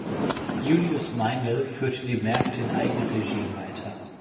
Julius Meinl führte die Märkte in Eigenregie weiter.